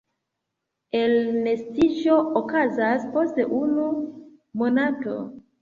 Elnestiĝo okazas post unu monato.